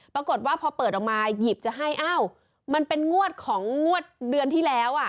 ปรากฏว่าพอเปิดออกมาหยิบจะให้อ้าวมันเป็นงวดของงวดเดือนที่แล้วอ่ะ